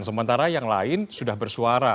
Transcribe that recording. sementara yang lain sudah bersuara